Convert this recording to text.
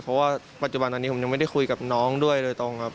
เพราะว่าปัจจุบันอันนี้ผมยังไม่ได้คุยกับน้องด้วยโดยตรงครับ